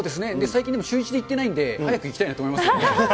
最近でも、シューイチで行ってないんで、早く行きたいなと思います。